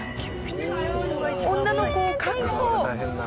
女の子を確保。